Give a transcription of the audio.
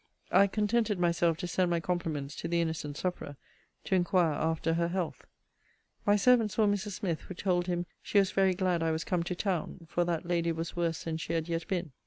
] I contented myself to send my compliments to the innocent sufferer, to inquire after her health. My servant saw Mrs. Smith, who told him, she was very glad I was come to town; for that lady was worse than she had yet been.